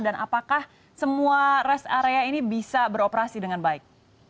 apakah semua rest area ini bisa beroperasi dengan baik